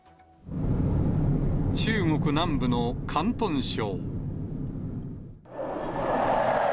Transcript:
中国南部の広東省。